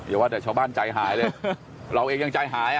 อย่าว่าแต่ชาวบ้านใจหายเลยเราเองยังใจหาย